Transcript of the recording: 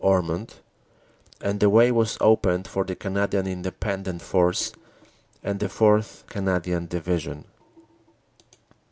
Ormond), and the way was opened for the Canadian Independent Force and the 4th. Canadian Division.